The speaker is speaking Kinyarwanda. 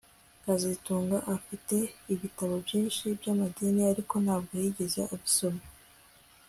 kazitunga afite ibitabo byinshi byamadini ariko ntabwo yigeze abisoma